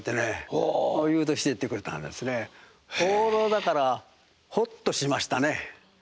だからほっとしましたね。